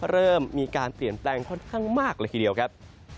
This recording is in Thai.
เริ่มมีการเปลี่ยนแปลงค่อนข้างมากเลยทีเดียวครับ